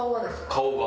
顔が。